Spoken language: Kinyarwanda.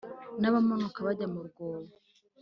n abamanuka bajya mu rwobo